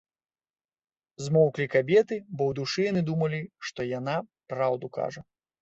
Змоўклі кабеты, бо ў душы яны думалі, што яна праўду кажа.